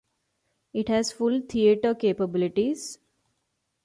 It has full theater capabilities.